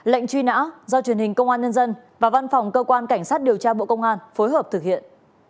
lệnh truy nã do truyền hình công an nhân dân và văn phòng cơ quan cảnh sát điều tra bộ công an phối hợp thực hiện